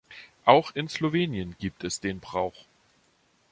Auch in Slowenien gibt es den Brauch.